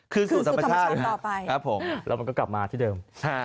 คืนสู่ธรรมชาติต่อไปครับผมแล้วมันก็กลับมาที่เดิม